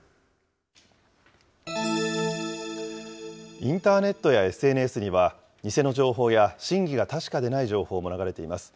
インターネットやＳＮＳには、偽の情報や真偽が確かでない情報も流れています。